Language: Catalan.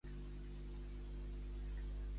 Què els passà a les Plèiades quan eren a Beòcia?